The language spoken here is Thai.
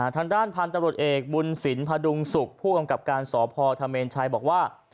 ทางด้านพันธุ์ตำรวจเอกบุญสินพดุงสุขผู้กำกับการสพธเมนชัยบอกว่า